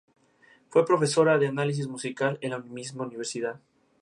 Fue profesora de Análisis Musical en la misma universidad.